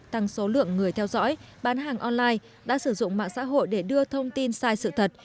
tăng số lượng người theo dõi bán hàng online đã sử dụng mạng xã hội để đưa thông tin sai sự thật